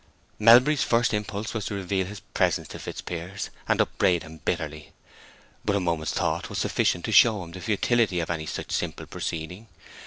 Melbury's first impulse was to reveal his presence to Fitzpiers, and upbraid him bitterly. But a moment's thought was sufficient to show him the futility of any such simple proceeding.